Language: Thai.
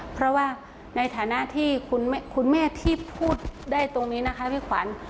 เพราะว่าในฐานะที่คุณแม่ที่พูดได้ตรงนี้นะคะพี่ขวัญ